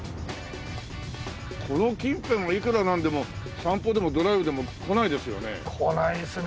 この近辺はいくらなんでも散歩でもドライブでも来ないですよね？来ないですね